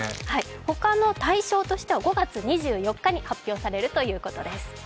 他の大賞は５月２４日に発表されるということです。